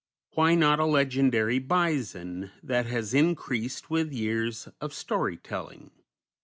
Why not a legendary bison that has increased with years of story telling?